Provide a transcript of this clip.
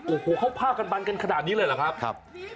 โอ้โหเขาพากันบันกันขนาดนี้เลยเหรอครับ